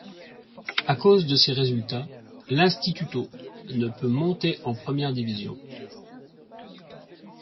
À cause de ces résultats, l'Instituto ne peut monter en première division.